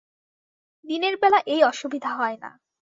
দিনের বেলা এই অসুবিধা হয় না।